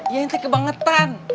ya ente kebangetan